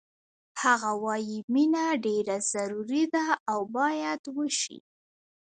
هغه وایی مینه ډېره ضروري ده او باید وشي